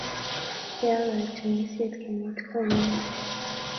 Kiyaak katunisiet kenyit konye